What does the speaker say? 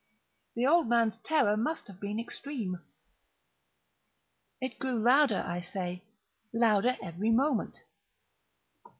The old man's terror must have been extreme! It grew louder, I say, louder every moment!